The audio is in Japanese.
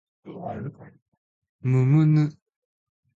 むむぬ